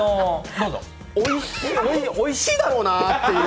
おいしいだろうなっていう。